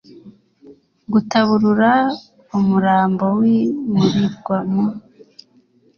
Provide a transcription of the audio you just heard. gutaburura umurambo wimurirwa mu